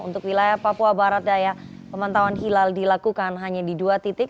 untuk wilayah papua barat daya pemantauan hilal dilakukan hanya di dua titik